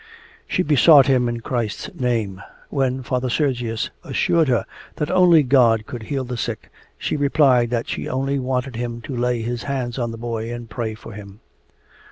She besought him in Christ's name. When Father Sergius assured her that only God could heal the sick, she replied that she only wanted him to lay his hands on the boy and pray for him.